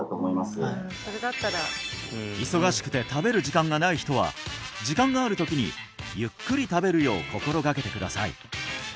忙しくて食べる時間がない人は時間がある時にゆっくり食べるよう心掛けてください